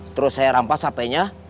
terus saya rampas hpnya